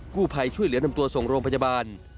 ผู้ภัยช่วยเหลือนำตัวส่งโรงพยาบาล